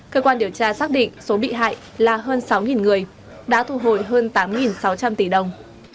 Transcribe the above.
cơ quan điều tra xác định số bị hại là hơn sáu người đã thu hồi hơn tám sáu trăm linh tỷ đồng